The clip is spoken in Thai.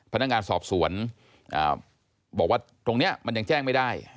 พนักงานสอบสวนบอกว่าตรงนี้มันยังแจ้งไม่ได้